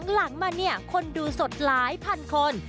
หลังมาเนี่ยคนดูสดไลฟ์๑๐๐๐คน